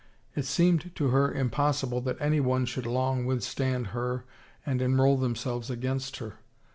It seemed to her impossible that anyone should long withstand her and enroll themselves against her.